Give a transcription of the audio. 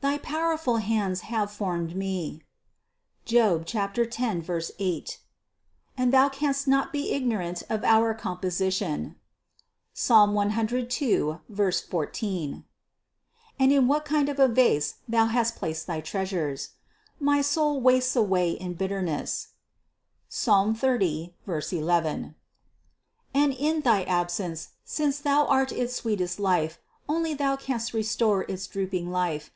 Thy powerful hands have formed me (Job 10, 8), and Thou canst not be ignorant of our com position (Psalm 102, 14) and in what kind of a vase Thou has placed thy treasures. My soul wastes away in bit terness (Psalm 30, 11) ; and in thy absence, since Thou art its sweetest life, only Thou canst restore its droop ing life.